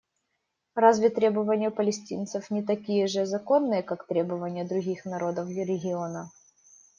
Разве требования палестинцев не такие же законные, как требования других народов региона?